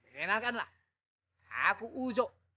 kenalkanlah aku uzo